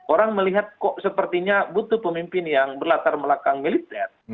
orang melihat kok sepertinya butuh pemimpin yang berlatar belakang militer